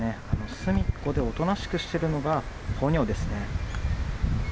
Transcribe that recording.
隅っこでおとなしくしてるのがポニョですね。